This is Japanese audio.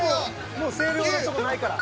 もう清涼のとこないから。